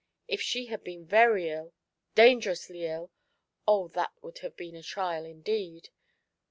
If she had been very ill — dangerously ill — oh, that would have been a trial indeed